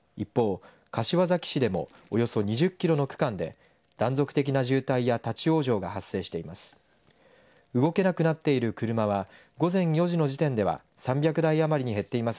一方、柏崎市でもおよそ２０キロの区間で断続的な渋滞や立往生が発生しています。